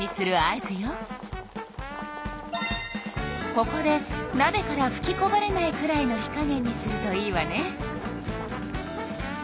ここでなべからふきこぼれないくらいの火加減にするといいわね。